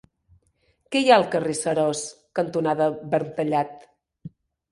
Què hi ha al carrer Seròs cantonada Verntallat?